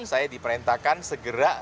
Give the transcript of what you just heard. saya diperintahkan segera